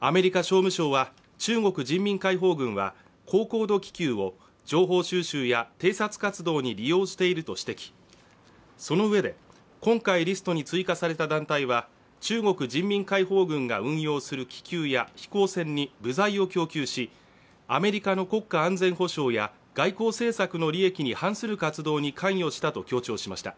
アメリカ商務省は、中国人民解放軍は高高度気球を情報収集や偵察活動に利用していると指摘、そのうえで、今回リストに追加された団体は中国人民解放軍が運用する気球や飛行船に部材を供給し、アメリカの国家安全保障や外交政策の利益に反する活動に関与したと強調しました。